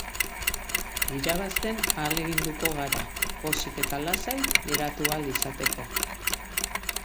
Irabazten ahaleginduko gara, pozik eta lasai geratu ahal izateko.